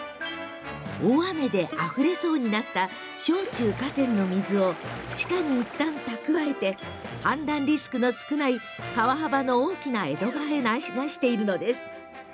大雨であふれそうになった小中河川の水を地下にいったん蓄えて氾濫リスクの少ない川幅の大きな江戸川へ流しているのです。